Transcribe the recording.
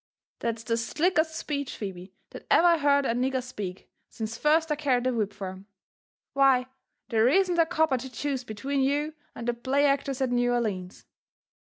*'" That's the stlickest speech, Phebe, that eyer I heard a nigger speak since first I carried a whip for 'em. Why, there isn't a copper to choose between you and the play actors at New Orlines.